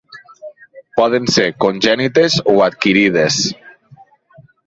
Poden ser congènites o adquirides.